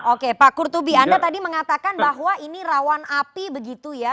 oke pak kurtubi anda tadi mengatakan bahwa ini rawan api begitu ya